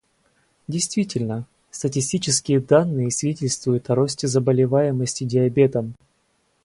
Действительно, статистические данные свидетельствуют о росте заболеваемости диабетом.